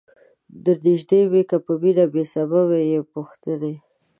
درنیژدې می که په مینه بې سببه بې پوښتنی